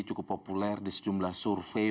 cukup populer di sejumlah survei